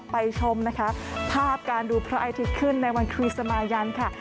ชมนะคะภาพการดูพระอาทิตย์ขึ้นในวันคริสมายันค่ะ